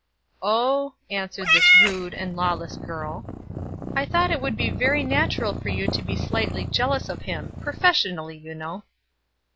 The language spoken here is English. "Oh," answered this rude and lawless girl, "I thought it would be very natural for you to be slightly jealous of him, professionally, you know."